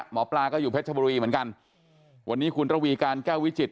หมอปลาก็อยู่เพชรชบุรีเหมือนกันวันนี้คุณระวีการแก้ววิจิต